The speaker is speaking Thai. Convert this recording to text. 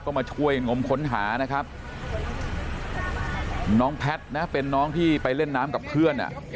ก็มาช่วยงมค้นหานะครับน้องแพทย์นะเป็นน้องที่ไปเล่นน้ำกับเพื่อนอ่ะ